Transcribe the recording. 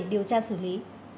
điều tra xử lý